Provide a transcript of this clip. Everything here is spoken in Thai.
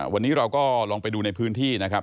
วันนี้เราก็ลองไปดูในพื้นที่นะครับ